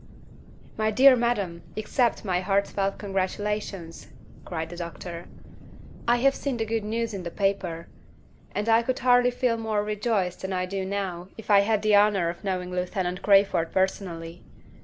"My dear madam, accept my heartfelt congratulations!" cried the doctor. "I have seen the good news in the paper; and I could hardly feel more rejoiced than I do now if I had the honor of knowing Lieutenant Crayford personally.